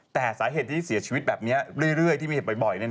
แต่สาเหตุที่เสียชีวิตแบบนี้ที่มีบ่อย